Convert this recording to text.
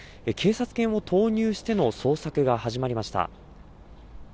警察犬を投入しての捜索が始まりました。